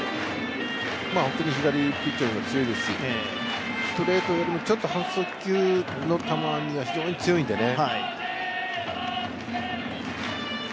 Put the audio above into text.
左ピッチャーに強いですし、ストレートよりもちょっと速球の球には非常に強いんでね。